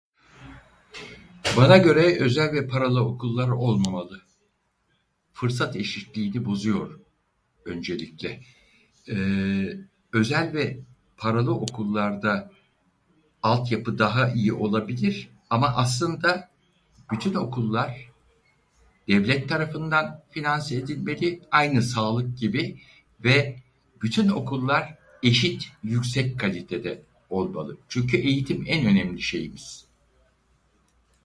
Bana göre özel ve paralı okullar olmamalı. Fırsat eşitliğini bozuyor, öncelikle. Eee, özel ve paralı okullarda altyapı daha iyi olabilir, ama aslında bütün okullar devlet tarafından finanse edilmeli, aynı sağlık gibi, ve bütün okullar eşit yüksek kalitede olmalı, çünkü eğitim en önemli şeyimiz.